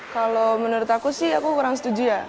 kalau menurut aku sih aku kurang setuju ya